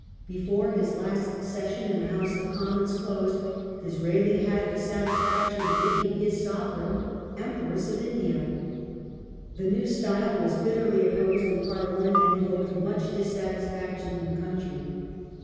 Before his last session in the House of Commons closed, Disraeli had the satisfaction of making his Sovereign Em press of India. The new style was bitterly opposed in Parliament, and evoked much dissatisfaction in the country.